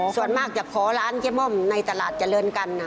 ส่วนมากจะขอร้านเจ๊ม่อมในตลาดเจริญกัน